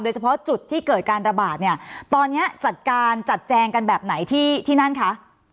เฉพาะจุดที่เกิดการระบาดเนี่ยตอนนี้จัดการจัดแจงกันแบบไหนที่ที่นั่นคะ